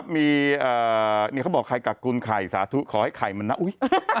มีเขาบอกใครกักกุลไข่สาธุขอให้ไข่มันนะอุ๊ย